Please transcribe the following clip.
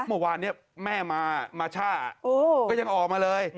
เมื่อวานนี้แม่มาช่าก็ยังออกมาเลย